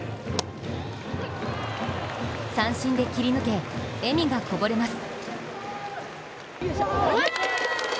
三振で切り抜け、笑みがこぼれます。